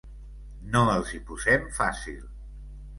No els hi posem fàcil.